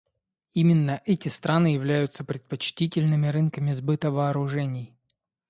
Именно эти страны являются предпочтительными рынками сбыта вооружений.